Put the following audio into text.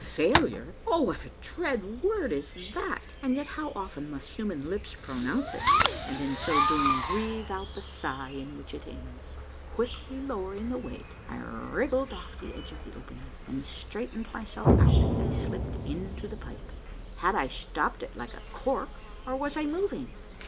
Failure ! Oh, what a dread word is that! and yet how often must human lips pronounce it, and in so doing breathe out the sigh in which it ends ! Quickly lowering the weight, I wriggled off the edge of the opening, and straightened myself out as I slipped into the pipe. Had I stopped it like a cork, or was I moving?